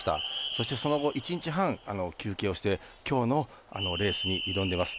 そしてその後、１日半休憩をして今日のレースに挑んでいます。